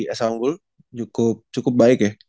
assamble cukup baik ya